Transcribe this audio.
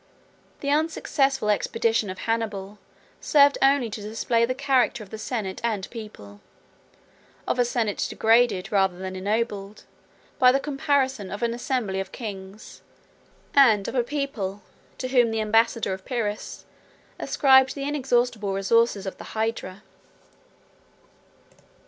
The unsuccessful expedition of Hannibal 7 served only to display the character of the senate and people; of a senate degraded, rather than ennobled, by the comparison of an assembly of kings; and of a people, to whom the ambassador of Pyrrhus ascribed the inexhaustible resources of the Hydra.